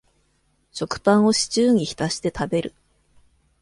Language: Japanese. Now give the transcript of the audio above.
食パンをシチューに浸して食べる